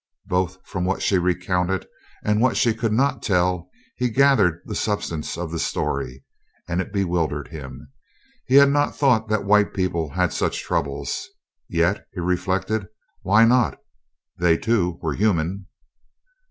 Both from what she recounted and what she could not tell he gathered the substance of the story, and it bewildered him. He had not thought that white people had such troubles; yet, he reflected, why not? They, too, were human.